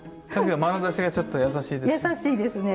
まなざしがちょっと優しいです。